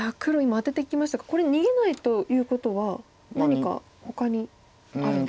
今アテていきましたがこれ逃げないということは何かほかにあるんでしょうか。